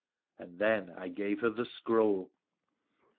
And then I gave her the scroll.